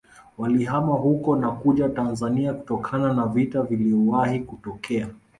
Walihama huko na kuja Tanzania kutokana na vita vilivyowahi kutokea